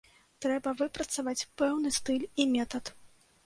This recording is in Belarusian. Трэба выпрацаваць пэўны стыль і метад.